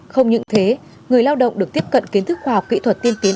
không những thế người lao động được tiếp cận kiến thức khoa học kỹ thuật tiên tiến